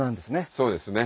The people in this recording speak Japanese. そうですね。